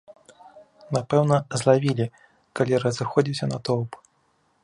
Напэўна, злавілі, калі разыходзіўся натоўп.